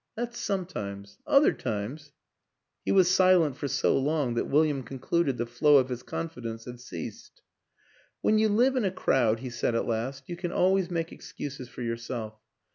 '' That's sometimes. Other times " He was silent for so long that William con cluded the flow of his confidence had ceased. " When you live in a crowd," he said at last, "you can always make excuses for yourself.